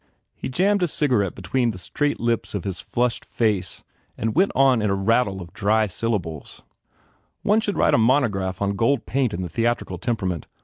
He jammed a cigarette between the straight lips of his flushed face and went on in a rattle of dry syllables. "Some one should write a monograph on gold paint and the theatrical temperament.